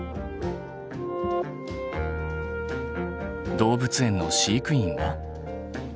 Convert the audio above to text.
動物園の飼育員は？